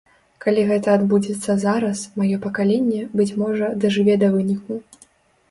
Калі гэта адбудзецца зараз, маё пакаленне, быць можа, дажыве да выніку.